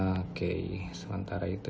oke sementara itu